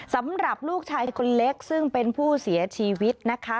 สำหรับลูกชายคนเล็กซึ่งเป็นผู้เสียชีวิตนะคะ